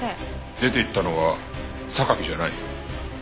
出ていったのは榊じゃない。